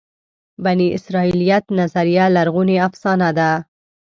بني اسرائیلیت نظریه لرغونې افسانه ده.